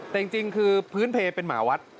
แต่จริงคือพื้นเพลเป็นหมาวัด